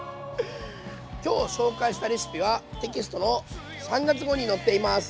今日紹介したレシピはテキストの３月号に載っています。